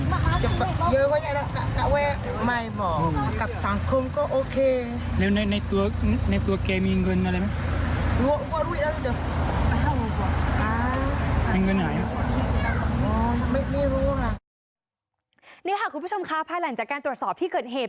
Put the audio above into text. นี่ค่ะคุณผู้ชมค่ะภายหลังจากการตรวจสอบที่เกิดเหตุ